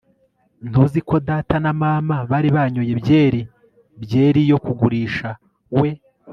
ntuzi ko data na mama bari banyoye byeri; byeri yo kugurisha. we